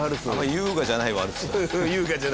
優雅じゃないワルツ。